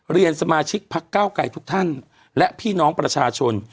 เรียนสมาชิกพักเก้าไกรทุกท่านและพี่น้องประชาชน